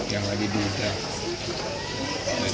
dan saya masih berharap untuk berjaya